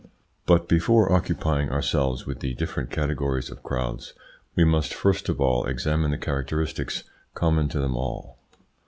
But before occupying ourselves with the different categories of crowds, we must first of all examine the characteristics common to them all.